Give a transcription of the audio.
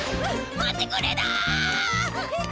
止まってくれだ！